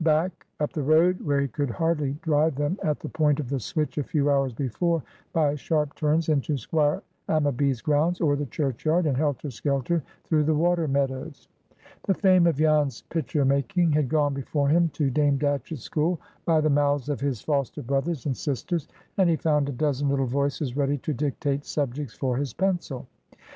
Back, up the road, where he could hardly drive them at the point of the switch a few hours before; by sharp turns into Squire Ammaby's grounds, or the churchyard; and helter skelter through the water meadows. The fame of Jan's "pitcher making" had gone before him to Dame Datchett's school by the mouths of his foster brothers and sisters, and he found a dozen little voices ready to dictate subjects for his pencil.